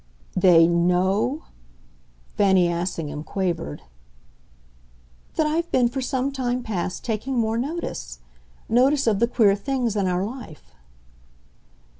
"They 'know'?" Fanny Assingham quavered. "That I've been for some time past taking more notice. Notice of the queer things in our life."